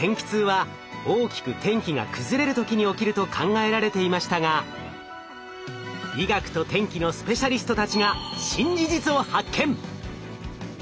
痛は大きく天気が崩れる時に起きると考えられていましたが医学と天気のスペシャリストたちが新事実を発見！